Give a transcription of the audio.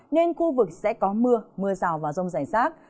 nên khu vực sẽ có mưa mưa rào và rông rải rác